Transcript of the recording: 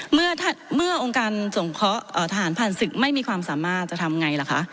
เมื่อองค์การส่งข้อฐานผ่านศึกไม่มีความสามารถจะทำอย่างไรล่ะคะ